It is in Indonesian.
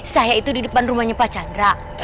saya itu di depan rumahnya pak chandra